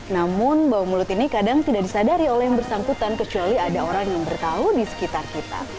namun bau mulut ini kadang tidak disadari oleh yang bersangkutan kecuali ada orang yang bertahu di sekitar kita